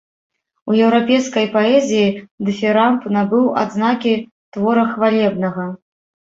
У еўрапейскай паэзіі дыфірамб набыў адзнакі твора хвалебнага.